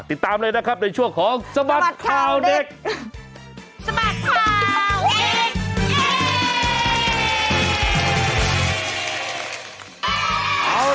ติดตามเลยนะครับในช่วงของสบัดข่าวเด็กสมัครข่าวอีก